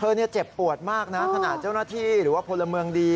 เจ็บปวดมากนะขณะเจ้าหน้าที่หรือว่าพลเมืองดี